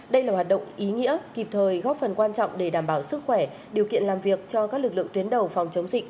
đây là hoạt động ý nghĩa kịp thời góp phần quan trọng để đảm bảo sức khỏe điều kiện làm việc cho các lực lượng tuyến đầu phòng chống dịch